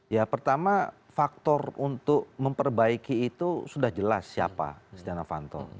ya pertama faktor untuk memperbaiki itu sudah jelas siapa stiano fanto